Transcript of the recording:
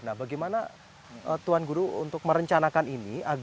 nah bagaimana tuan guru untuk merencanakan ini